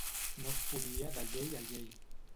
No es podia de llei a llei.